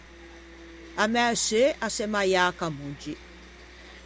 A mæ seu a s'é maiâ à Camoggi.